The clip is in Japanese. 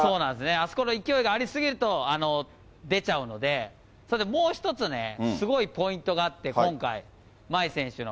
あそこの勢いがありすぎると出ちゃうので、それでもう一つね、すごいポイントがあって、今回、茉愛選手の。